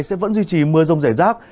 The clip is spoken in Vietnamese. sẽ vẫn duy trì mưa rông rẻ rác